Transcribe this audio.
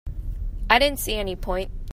I didn't see any point.